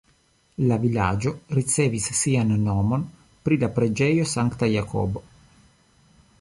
La vilaĝo ricevis sian nomon pri la preĝejo Sankta Jakobo.